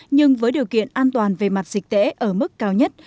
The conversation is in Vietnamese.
nhưng với điều kiện an toàn về mặt dịch tễ ở mức cao nhất